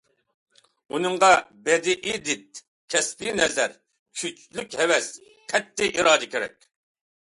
ئۇنىڭغا بەدىئىي دىت، كەسپىي نەزەر، كۈچلۈك ھەۋەس، قەتئىي ئىرادە كېرەك.